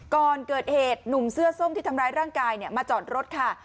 ก่อนเกิดเหตุหนุ่มเสื้อส้มที่ทำร้ายร่างกายมาจอดรถค่ะ